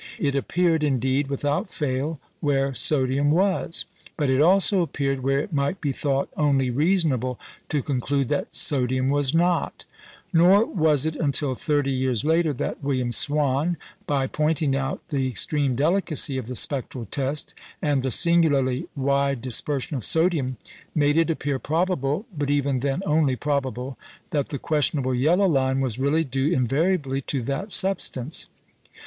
It appeared, indeed, without fail where sodium was; but it also appeared where it might be thought only reasonable to conclude that sodium was not. Nor was it until thirty years later that William Swan, by pointing out the extreme delicacy of the spectral test, and the singularly wide dispersion of sodium, made it appear probable (but even then only probable) that the questionable yellow line was really due invariably to that substance.